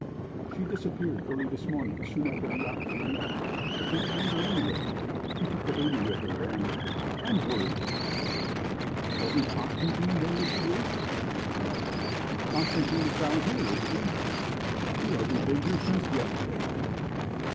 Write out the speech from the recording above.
"She disappeared early this morning soon after the yacht came in; I can't find her anywhere. She took the baby with her and I'm worried." "Doesn't Constantine know where she is?" "Why, Constantine is down here, isn't he?" "He hasn't been here since yesterday."